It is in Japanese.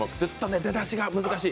出だしが難しい。